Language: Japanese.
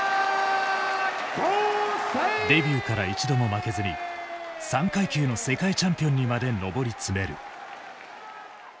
デビューから一度も負けずに３階級の世界チャンピオンにまで上り詰める。